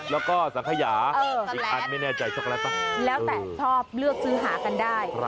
แล้วก็สังขยาอีกอันไม่แน่ใจช็อกโลตป่ะแล้วแต่ชอบเลือกซื้อหากันได้